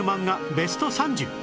ベスト３０